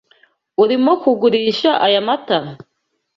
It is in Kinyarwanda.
Urimo kugurisha aya matara?